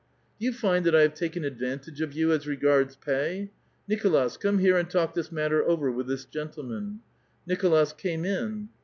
" Do you find that I have taken a(lvantage of 3'ou as re gards pay ?— Nicolas, come here and talk this matter over with this gentleman." Nicholas came in.